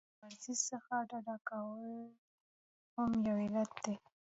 له ورزش څخه ډډه کول هم یو علت دی.